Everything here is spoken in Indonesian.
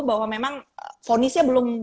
bahwa memang fonisnya belum